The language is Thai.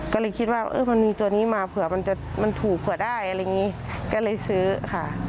ก็เลยคิดว่าพอมีตัวนี้มาเผื่อมันจะมันถูกเผื่อได้อะไรอย่างนี้ก็เลยซื้อค่ะ